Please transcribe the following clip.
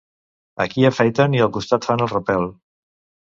Aquí afaiten i al costat fan el repel.